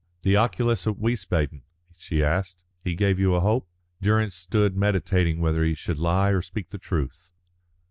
"The oculist at Wiesbaden?" she asked. "He gave you a hope?" Durrance stood meditating whether he should lie or speak the truth.